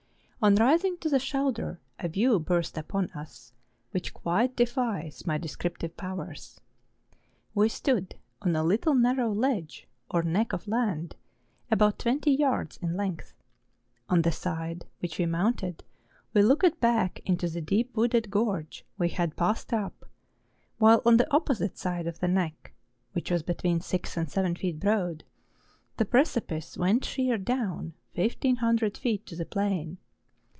On rising to the shoulder a view burst upon us which quite defies my descriptive powers. We stood on a little narrow ledge or neck of land, about twenty yards in length. On the side which we mounted we looked back into the deep wooded gorge we had passed up ; while on the opposite side of the neck, which was between six and seven feet broad, the precipice went sheer down fifteen hundred feet to the plain.